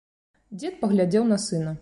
Дзед паглядзеў на сына.